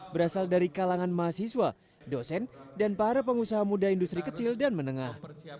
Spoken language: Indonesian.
berasal dari kalangan mahasiswa dosen dan para pengusaha muda industri kecil dan menengah